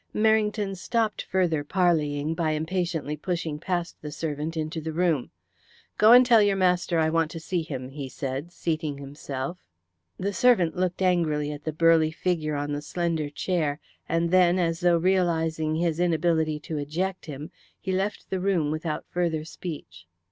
Merrington stopped further parleying by impatiently pushing past the servant into the room. "Go and tell your master I want to see him," he said, seating himself. The servant looked angrily at the burly figure on the slender chair, and then, as though realizing his inability to eject him, he left the room without further speech.